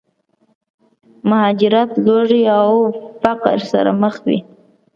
مهاجرت، لوږې او فقر سره مخ وي.